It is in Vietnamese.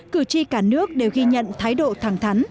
cử tri cả nước đều ghi nhận thái độ thẳng thắn